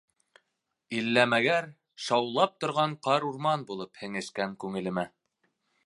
Иллә-мәгәр шаулап торған ҡарурман булып һеңешкән күңелемә.